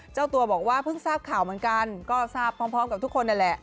เจ้าตัวบอกว่าเพิ่งทราบข่าวเหมือนกันก็ทราบพร้อมกับทุกคนนั่นแหละ